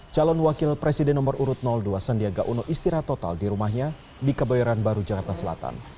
calon wakil presiden nomor urut dua sandiaga uno istirahat total di rumahnya di kebayoran baru jakarta selatan